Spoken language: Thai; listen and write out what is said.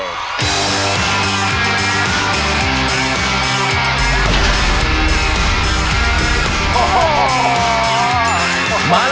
ยังเพราะความสำคัญ